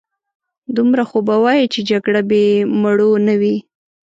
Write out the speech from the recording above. دومره خو به وايې چې جګړه بې مړو نه وي.